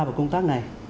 vào công tác này